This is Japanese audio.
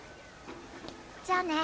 じゃあね。